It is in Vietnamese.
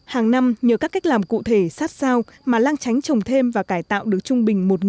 hàng năm nhờ các cách làm cụ thể sát sao mà lan tránh trồng thêm và cải tạo được trung bình một hectare rừng